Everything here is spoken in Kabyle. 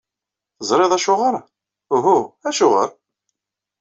Teẓriḍ acuɣer? Uhu, acuɣer?